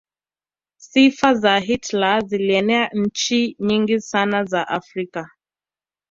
sifa za hitler zilienea nchi nyingi sana za afrika